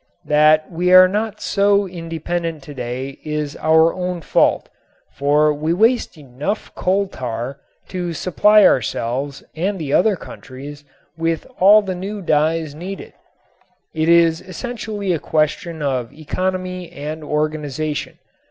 That we are not so independent today is our own fault, for we waste enough coal tar to supply ourselves and other countries with all the new dyes needed. It is essentially a question of economy and organization.